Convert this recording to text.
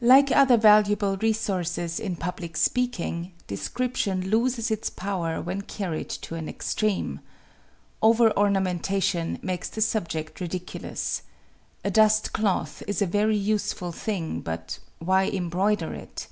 Like other valuable resources in public speaking, description loses its power when carried to an extreme. Over ornamentation makes the subject ridiculous. A dust cloth is a very useful thing, but why embroider it?